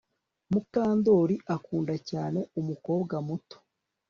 Mukandoli akunda cyane umukobwa muto